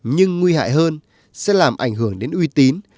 nhưng nguy hại hơn sẽ làm ảnh hưởng đến uy tín